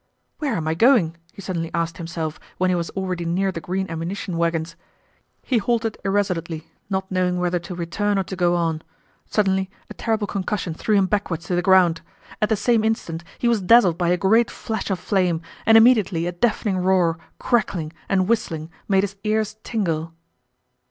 "Where am I going?" he suddenly asked himself when he was already near the green ammunition wagons. He halted irresolutely, not knowing whether to return or go on. Suddenly a terrible concussion threw him backwards to the ground. At the same instant he was dazzled by a great flash of flame, and immediately a deafening roar, crackling, and whistling made his ears tingle.